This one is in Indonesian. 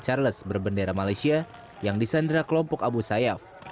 carles berbendera malaysia yang disandara kelompok abu sayyaf